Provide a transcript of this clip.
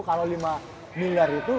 kalau lima miliar itu